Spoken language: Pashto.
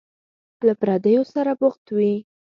له پردیو سره بوخت وي.